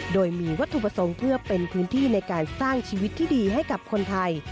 โดยมีวัตถุประสงค์เพื่อเป็นพื้นที่ในการสร้างชีวิตที่ดีให้กับคนไทย